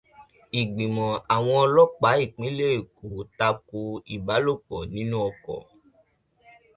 Ìgbìmọ̀ àwọn ọlọ́pàá ìpínlẹ̀ Èkó tako ìbálòpọ̀ nínú ọkọ̀.